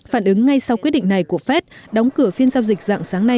phản ứng ngay sau quyết định này của phép đóng cửa phiên giao dịch dạng sáng nay